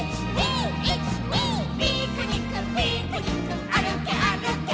「ピクニックピクニックあるけあるけ」